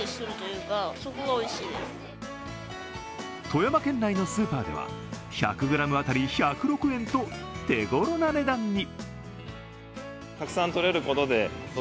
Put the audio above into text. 富山県内のスーパーでは１００ｇ当たり１０６円と手ごろな値段に。